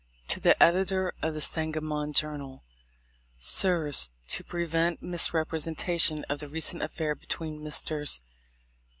"To the Editor of the Sangamon Journal: "Sirs: To prevent misrepresentation of the recent affair between Messrs.